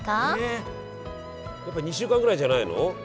えやっぱ２週間ぐらいじゃないの？